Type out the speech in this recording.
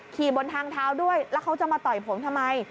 ขี่บนทางเท้าด้วยแล้วเขาจะมาต่อยผมทำไม